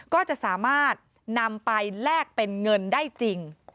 ก็จะสามารถนำไปแลกเป็นเงินได้จริง